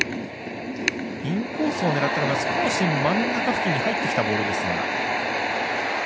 インコースを狙ったのか少し真ん中付近に入ってきたボールですが。